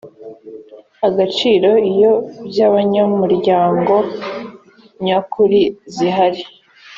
agaciro iyo by abanyamuryango nyakuri zihari